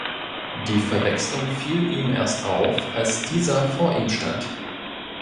Die Verwechslung fiel ihm erst auf, als dieser vor ihm stand.